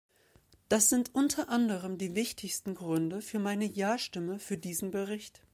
Das sind unter anderem die wichtigsten Gründe für meine Ja-Stimme für diesen Bericht.